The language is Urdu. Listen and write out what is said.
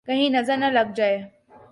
!کہیں نظر نہ لگ جائے